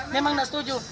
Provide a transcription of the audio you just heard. memang gak setuju